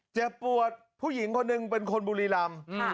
เจ็บปวดผู้หญิงคนหนึ่งเป็นคนบุรีรำ